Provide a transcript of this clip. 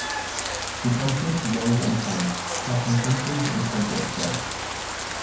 The conflict lowers incomes catching countries in a conflict trap.